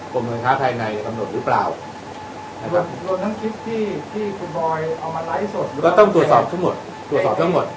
กรมเงินค้าภายในกำหนดหรือเปล่าโดยทั้งคลิปที่ที่คุณบอยเอามาไลฟ์สด